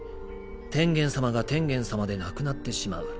天元様が天元様でなくなってしまう。